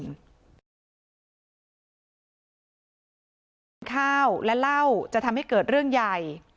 เวลากินข้าวและเหล้าจะทำให้เกิดเรื่องใหญ่